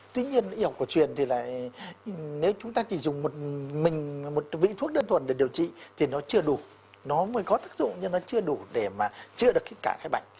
tuy nhiên y học cổ truyền thì lại nếu chúng ta chỉ dùng một vị thuốc đơn thuần để điều trị thì nó chưa đủ nó mới có tác dụng nhưng nó chưa đủ để mà chữa được cả cái bệnh